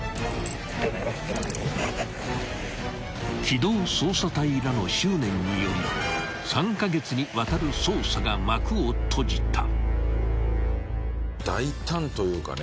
［機動捜査隊らの執念により３カ月にわたる捜査が幕を閉じた］